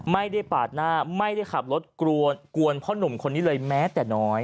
ไม่ได้ปาดหน้าไม่ได้ขับรถกวนพ่อหนุ่มคนนี้เลยแม้แต่น้อย